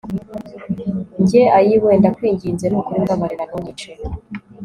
Njye ayiweeeeee ndakwinginze nukuri mbabarira ntunyice